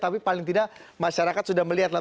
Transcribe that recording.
tapi paling tidak masyarakat sudah melihatlah